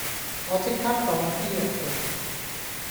我即刻放阿 B 落地